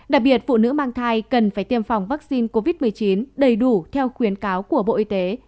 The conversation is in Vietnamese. đặc biệt phụ nữ mang thai cần phải tiêm phòng vaccine covid một mươi chín đầy đủ theo khuyến cáo của bộ y tế